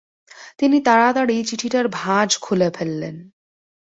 তিনি তাড়াতাড়ি চিঠিটার ভাঁজ খুলে ফেললেন।